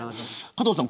加藤さん